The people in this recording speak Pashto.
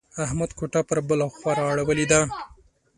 احمد کوټه پر بله خوا را اړولې ده.